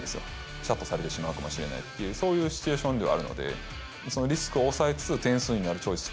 シャットされてしまうかもしれないという、そういうシチュエーションではあるので、そのリスクを抑えつつ、点数になるチョイス。